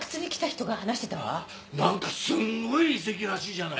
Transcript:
何かすごい遺跡らしいじゃない。